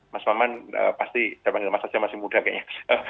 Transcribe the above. mas maman pasti saya panggilnya mas haji masih muda kayaknya